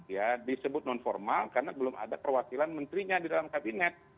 ya disebut non formal karena belum ada perwakilan menterinya di dalam kabinet